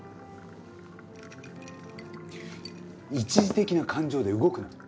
一時的な感情で動くな。